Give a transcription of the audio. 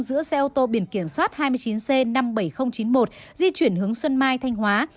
giữa xe ô tô biển kiểm soát hai mươi chín c năm mươi bảy nghìn chín mươi một di chuyển hướng xuân mai thanh hóa